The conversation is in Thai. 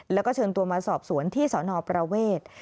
แล้วก็เชิญตัวมาสอบสวนที่สนประเวท